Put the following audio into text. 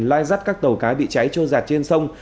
lai rắt các tàu cá bị cháy trô giặt trên sông